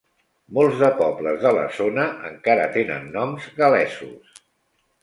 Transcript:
Molts de pobles de la zona encara tenen noms gal·lesos.